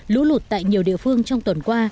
lũ lụt tại nhiều địa phương trong tuần qua